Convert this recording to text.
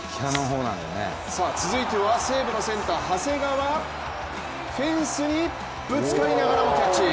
続いては西武センター長谷川、フェンスにぶつかりながらもキャッチ。